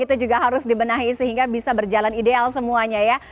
itu juga harus dibenahi sehingga bisa berjalan ideal semuanya ya